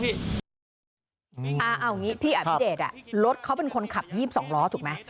พี่เดชน์รถเขาเป็นคนขับยืมสองร้อถูกมั้ย